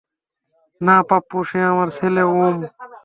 না পাপ্পু, সে আমার ছেলে ওম।